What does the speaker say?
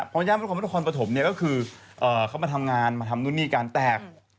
พอย่านประคมนครปฐมเนี่ยก็คือเขามาทำงานมาทำนู่นนี่กันแตก